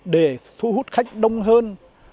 để thu hút khách đông hơn